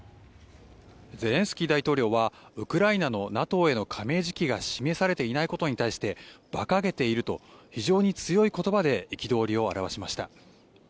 ゼレンスキー大統領はウクライナのＮＡＴＯへの加盟時期が示されていないことに対して馬鹿げていると非常に強い言葉で憤りを表しました。